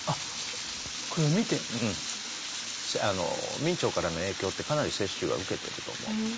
明兆からの影響ってかなり雪舟は受けてると思う。